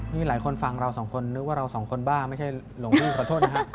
นี่หลายคนฟังเราสองคนนึกว่าเราสองคนบ้าไม่ใช่หลวงพี่ขอโทษนะฮะ